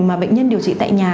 mà bệnh nhân điều trị tại nhà